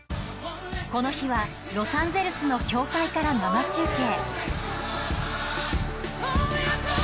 この日はロサンゼルスの教会から生中継